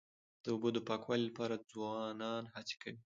د اوبو د پاکوالي لپاره ځوانان هڅې کوي.